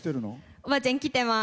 おばあちゃん、来てます。